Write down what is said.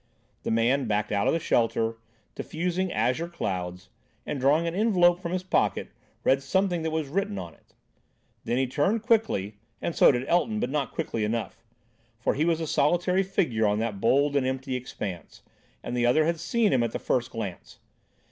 The man backed out of the shelter, diffusing azure clouds, and, drawing an envelope from his pocket, read something that was written on it. Then he turned quickly—and so did Elton, but not quickly enough. For he was a solitary figure on that bald and empty expanse, and the other had seen him at the first glance.